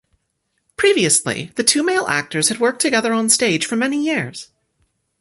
Previously, the two male actors had worked together on stage for many years.